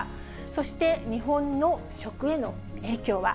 そして、日本の食への影響は。